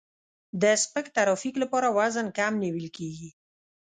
د سپک ترافیک لپاره وزن کم نیول کیږي